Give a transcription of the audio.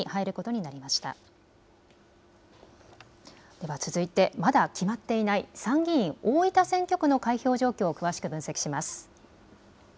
では続いてまだ決まっていない参議院大分選挙区の開票状況を詳しく分析します。